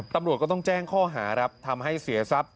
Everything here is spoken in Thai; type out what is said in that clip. ตำรวจก็ต้องแจ้งข้อหาครับทำให้เสียทรัพย